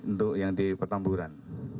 untuk yang di petamburan